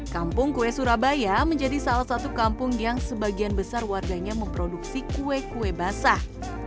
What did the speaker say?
kampung kue surabaya menjadi salah satu kampung yang sebagian besar warganya memproduksi kue kue basah